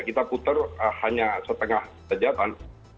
kita putar hanya setengah sejahatan